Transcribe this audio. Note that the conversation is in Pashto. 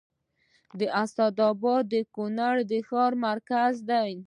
د اسعد اباد ښار د کونړ مرکز دی